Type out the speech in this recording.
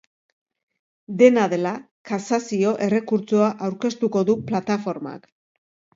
Dena dela, kasazio errekurtsoa aurkeztuko du plataformak.